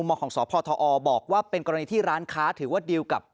มของสพทอบอกว่าเป็นกรณีที่ร้านค้าถือว่าดีลกับ